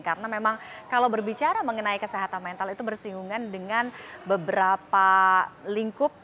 karena memang kalau berbicara mengenai kesehatan mental itu bersinggungan dengan beberapa lingkup